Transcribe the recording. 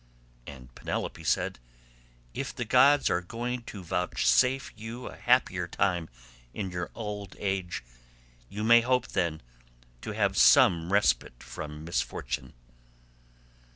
And Penelope said, "If the gods are going to vouchsafe you a happier time in your old age, you may hope then to have some respite from misfortune."